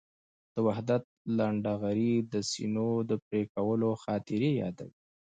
د وحدت لنډهغري د سینو د پرېکولو خاطرې یادوي.